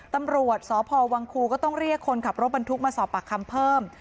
ตำรวจสพวังครูก็ต้องเรียกคนขับรถบรรทุกมาสอบปากคำเพิ่ม